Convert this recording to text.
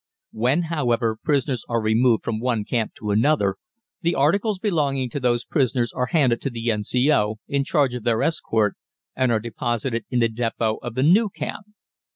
When, however, prisoners are removed from one camp to another, the articles belonging to those prisoners are handed to the N.C.O. in charge of their escort and are deposited in the depot of the new camp.